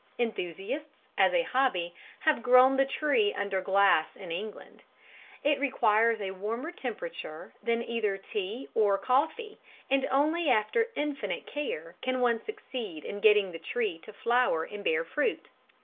Enthusiasts, as a hobby, have grown the tree under glass in England; it requires a warmer temperature than either tea or coffee, and only after infinite care can one succeed in getting the tree to flower and bear fruit.